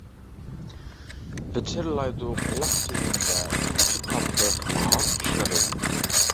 ۋىچىرلايدۇ قۇلاق تۈۋىمدە، شۇنچە تاتلىق باھار قۇشلىرى.